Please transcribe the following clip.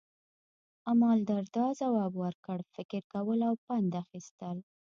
امالدرداء ځواب ورکړ، فکر کول او پند اخیستل.